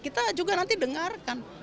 kita juga nanti dengarkan